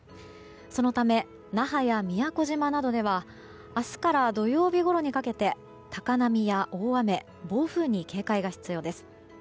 そのため、那覇や宮古島などでは明日から土曜日ごろにかけて高波や大雨、暴風に警戒が必要です。